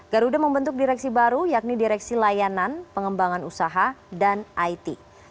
garuda membentuk direksi baru yakni direksi layanan pengembangan usaha dan it